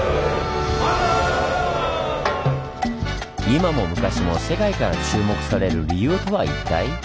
今も昔も世界から注目される理由とは一体？